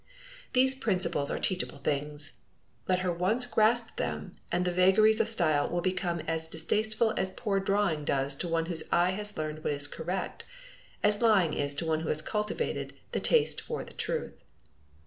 These principles are teachable things. Let her once grasp them and the vagaries of style will become as distasteful as poor drawing does to one whose eye has learned what is correct, as lying is to one who has cultivated the taste for the truth.